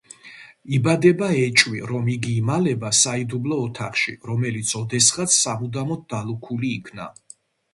იბადება ეჭვი, რომ იგი იმალება საიდუმლო ოთახში, რომელიც ოდესღაც სამუდამოდ დალუქული იქნა.